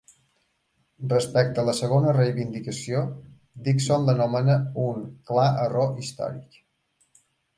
Respecte a la segona reivindicació, Dickson l'anomena un "clar error històric".